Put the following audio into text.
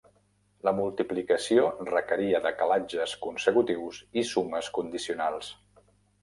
La multiplicació requeria decalatges consecutius i sumes condicionals.